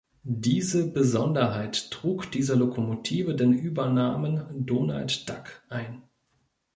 Diese Besonderheit trug dieser Lokomotive den Übernamen "Donald Duck" ein.